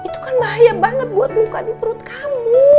itu kan bahaya banget buat luka di perut kamu